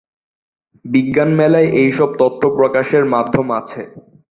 বিজ্ঞান মেলায় এই সব তথ্য প্রকাশের মাধ্যম আছে।